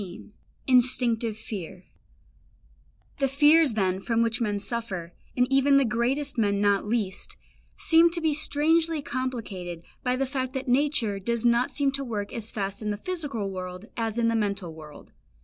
XV INSTINCTIVE FEAR The fears then from which men suffer, and even the greatest men not least, seem to be strangely complicated by the fact that nature does not seem to work as fast in the physical world as in the mental world.